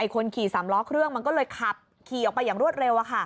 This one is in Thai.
คนขี่สามล้อเครื่องมันก็เลยขับขี่ออกไปอย่างรวดเร็ว